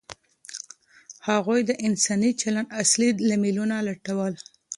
هغوی د انساني چلند اصلي لاملونه لټول.